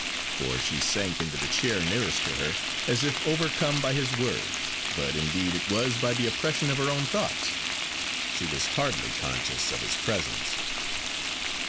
For she sank into the chair nearest to her, as if overcome by his words; but, indeed, it was by the oppression of her own thoughts: she was hardly conscious of his presence.